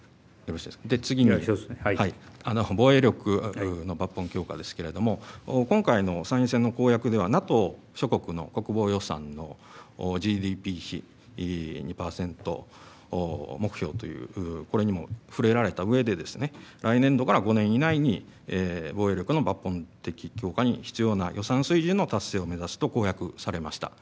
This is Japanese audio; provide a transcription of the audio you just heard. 次に防衛力の抜本強化ですけれども今回の参院選の公約でＮＡＴＯ諸国の国防予算のＧＤＰ比２％目標というこれにも触れられた上で来年度から５年以内に防衛力の抜本的強化に必要な予算水準の達成を目指すと公約されました。